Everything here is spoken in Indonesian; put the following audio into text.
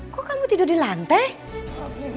kok kamu tidur di lantai